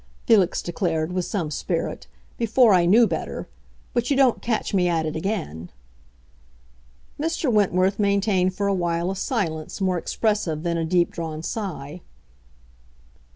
Felix declared, with some spirit; "before I knew better. But you don't catch me at it again." Mr. Wentworth maintained for a while a silence more expressive than a deep drawn sigh.